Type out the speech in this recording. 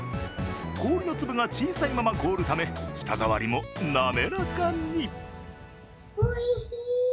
氷の粒が小さいまま凍るため、舌触りも滑らかに。